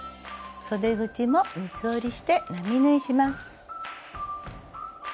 そで口も三つ折りして並縫いします。